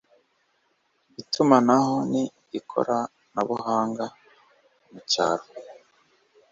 itumanaho ni ikoranabuhanga mu cyaro